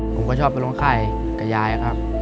ผมก็ชอบไปลงค่ายกับยายครับ